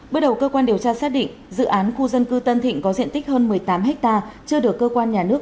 bước đầu cơ quan điều tra xác định dự án khu dân cư tân thịnh có diện tích hơn một mươi tám ha chưa được cơ quan nhà nước